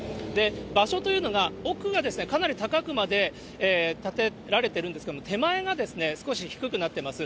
場所というのが、奥がかなり高くまで建てられてるんですけれども、手前が少し低くなってます。